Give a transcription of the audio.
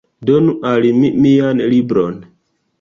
Donu al mi mian libron!